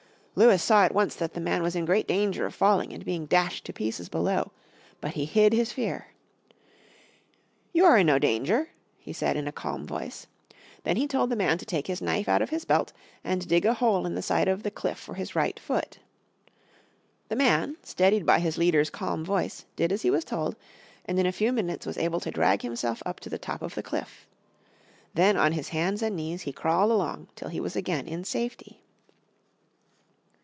Lewis saw at once that the man was in great danger of falling and being dashed to pieces below. But he hid his fear. "You are in no danger," he said in a calm voice. Then he told the man to take his knife out of his belt and dig a hole in the side of the cliff for his right foot. The man, steadied by his leader's calm voice, did as he was told and in a few minutes was able to drag himself up to the top of the cliff. Then on his hands and knees he crawled along till he was again in safety.